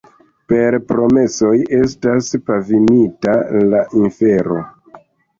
Per promesoj estas pavimita la infero.